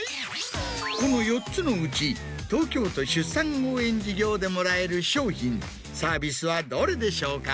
この４つのうち東京都出産応援事業でもらえる商品サービスはどれでしょうか？